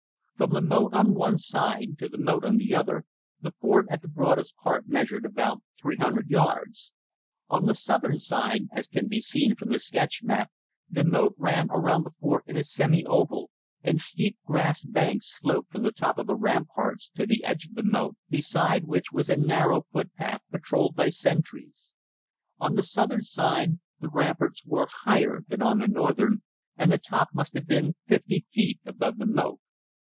From the moat on one side to the moat on the other, the fort at the broadest part measured about 300 yards. On the southern side, as can be seen from the sketch map, the moat ran around the fort in a semi oval, and steep grass banks sloped from the top of the ramparts to the edge of the moat, beside which was a narrow footpath patroled by sentries. On the southern side the ramparts were higher than on the northern, and the top must have been 50 feet above the moat.